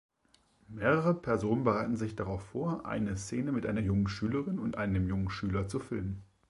Mehrere Personen bereiten sich darauf vor, eine Szene mit einer jungen Schülerin und einem jungen Schüler zu filmen.